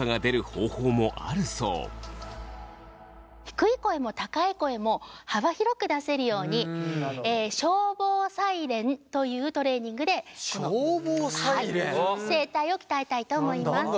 低い声も高い声も幅広く出せるように消防サイレンというトレーニングで声帯を鍛えたいと思います。